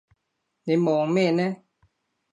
你望咩呢？